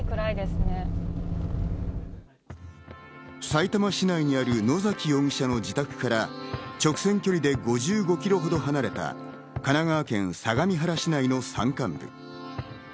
さいたま市内にある野崎容疑者の自宅から直線距離で５５キロほど離れた神奈川県相模原市内の山間部。